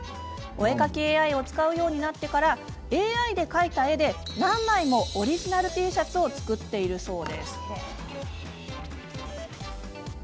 お絵描きＡＩを使うようになってからＡＩで描いた絵で何枚もオリジナルのＴシャツを作っているそう。